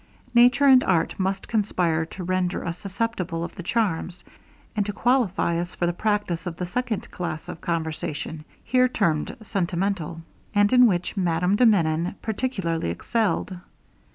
Nature and art must conspire to render us susceptible of the charms, and to qualify us for the practice of the second class of conversation, here termed sentimental, and in which Madame de Menon particularly excelled.